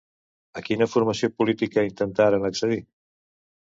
A quina formació política intentaran accedir?